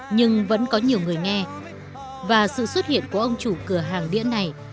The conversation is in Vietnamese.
nhưng vẫn có nhiều người nghe và sự xuất hiện của ông chủ cửa hàng đĩa này